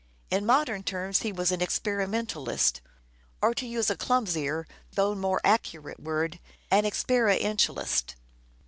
In modern terms, he was an experimentalist ; or, to use a clumsier, though more accurate word, an experientialist.